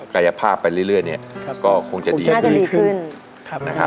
กายภาพไปเรื่อยเรื่อยเนี่ยก็คงจะดีคงจะดีขึ้นครับนะครับ